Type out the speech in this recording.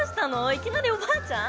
いきなりおばあちゃん？